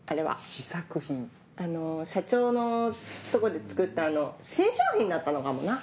試作品？社長のとこで作った新商品だったのかもな。